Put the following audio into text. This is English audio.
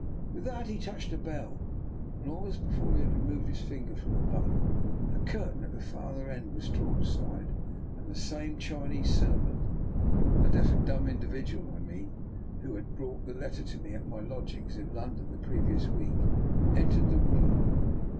With that he touched a bell, and almost before he had removed his finger from the button, a curtain at the farther end was drawn aside, and the same Chinese servant — the deaf and dumb individual, I mean, who had brought the letter to me at my lodgings in London the previous week — entered the room.